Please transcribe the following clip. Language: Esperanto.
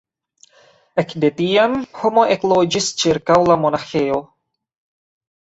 Ekde tiam homoj ekloĝis ĉirkaŭ la monaĥejo.